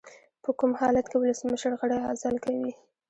په کوم حالت کې ولسمشر غړی عزل کوي؟